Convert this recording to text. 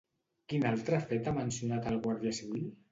Quin altre fet ha mencionat el guàrdia civil?